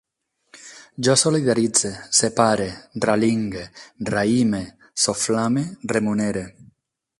Jo solidaritze, separe, ralingue, raïme, soflame, remunere